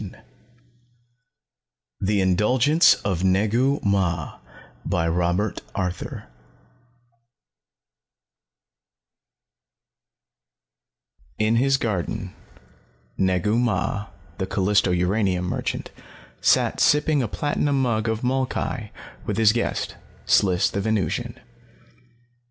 _] The Indulgence of Negu Mah by ROBERT ARTHUR In his garden, Negu Mah, the Callisto uranium merchant, sat sipping a platinum mug of molkai with his guest, Sliss the Venusian.